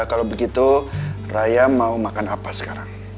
kalau begitu raya mau makan apa sekarang